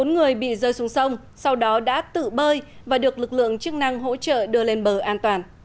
bốn người bị rơi xuống sông sau đó đã tự bơi và được lực lượng chức năng hỗ trợ đưa lên bờ an toàn